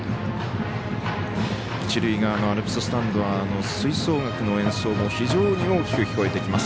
一塁側のアルプススタンドは吹奏楽の演奏も非常に大きく聞こえてきます。